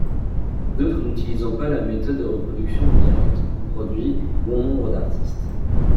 D'autres, n'utilisant pas la méthode de reproduction en direct, ont produit bon nombre d'artistes.